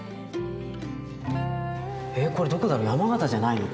えこれどこだろう山形じゃないの？